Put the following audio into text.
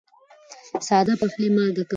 ساده پخلی مالګه کموي.